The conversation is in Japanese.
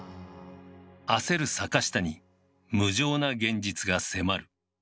焦る坂下に無情な現実が迫る。